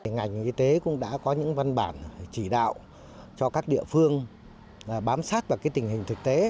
ngành y tế cũng đã có những văn bản chỉ đạo cho các địa phương bám sát vào tình hình thực tế